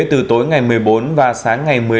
từ tối ngày một mươi bốn và sáng ngày một mươi năm